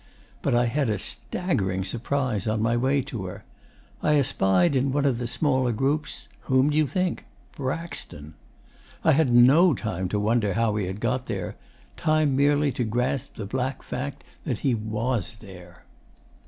'But I had a staggering surprise on my way to her. I espied in one of the smaller groups whom d'you think? Braxton. 'I had no time to wonder how he had got there time merely to grasp the black fact that he WAS there.